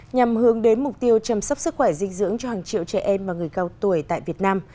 nhằm hướng đến mục tiêu chăm sóc sức khỏe dinh dưỡng cho hàng triệu trẻ em và người cao tuổi tại việt nam